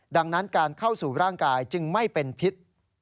ดังนั้นการเข้าสู่ร่างกายจึงไม่เป็นพิษ